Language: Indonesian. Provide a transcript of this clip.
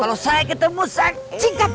kalau saya ketemu saya singkap